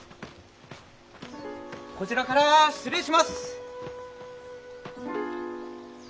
こちらから失礼します。